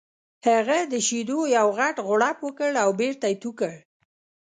هغه د شیدو یو غټ غوړپ وکړ او بېرته یې تو کړ